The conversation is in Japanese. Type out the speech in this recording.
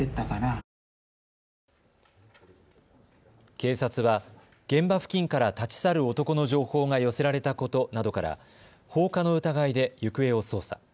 警察は現場付近から立ち去る男の情報が寄せられたことなどから放火の疑いで行方を捜査。